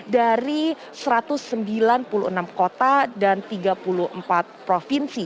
jadi satu ratus sembilan puluh enam kota dan tiga puluh empat provinsi